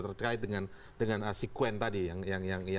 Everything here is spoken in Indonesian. terkait dengan dengan sekuen tadi yang bersama